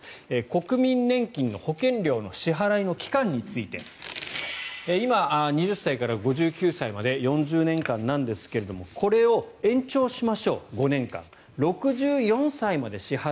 国民年金の保険料の支払いの期間について今、２０歳から５９歳まで４０年間なんですがこれを延長しましょう。